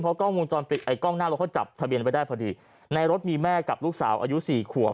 เพราะกล้องหน้าเราเขาจับทะเบียนไปได้พอดีในรถมีแม่กับลูกสาวอายุสี่ขัว